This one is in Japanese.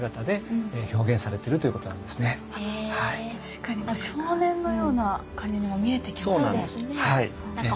確かに少年のような感じにも見えてきますね。